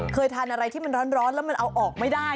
เคยทานอะไรที่มันร้อนแล้วมันเอาออกไม่ได้